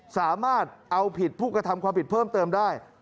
สามารถเอาผิดผู้กระทำความผิดเพิ่มเติมได้